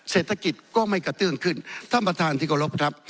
เศรษฐกิจก็ไม่กระเตื้องขึ้นท่านประธานที่กรบครับ